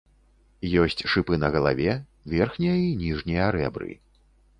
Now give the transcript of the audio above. Ёсць шыпы на галаве, верхнія і ніжнія рэбры.